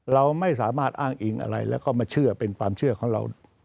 เราไม่สามารถอ้างอิงอะไรแล้วก็มาเชื่อเป็นความเชื่อของเรา